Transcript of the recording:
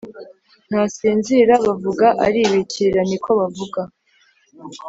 Ntasinzira bavuga Aribikira niko bavuga